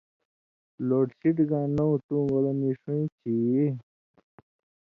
لوڈ شیڈِن٘گاں نؤں تُوں گولہ نی ݜُون٘یں چھی یی؟